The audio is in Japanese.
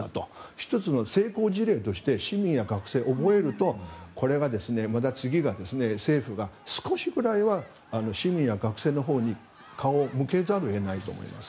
１つの成功事例として市民や学生が覚えるとこれはまた次、政府が少しくらいは市民や学生のほうに顔を向けざるを得ないと思います。